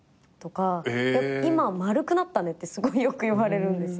今は「丸くなったね」ってすごいよく言われるんですよ。